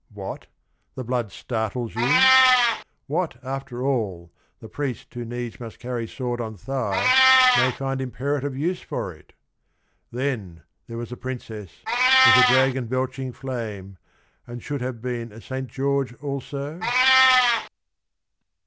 What, the blood startles you? What, after all The priest who needs must carry sword on thigh May find imperative use for it? Then, there was A Princess, was a dragon belching flame, And should have been a Saint George also?